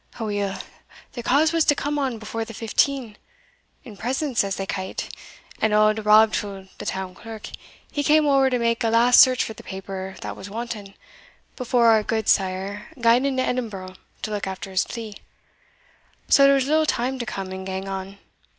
Aweel, the cause was to come on before the fifteen in presence, as they ca't and auld Rab Tull, the town clerk, he cam ower to make a last search for the paper that was wanting, before our gudesire gaed into Edinburgh to look after his plea so there was little time to come and gang on.